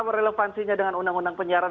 relevansinya dengan undang undang penyiaran